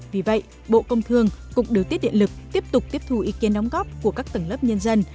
vì vậy bộ công thương cũng đều tiết định lực tiếp tục tiếp thu ý kiến đóng góp của các tầng lớp nhân dân